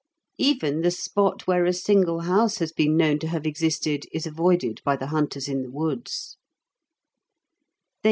Even the spot where a single house has been known to have existed, is avoided by the hunters in the woods.